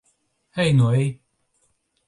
Ej nu ej!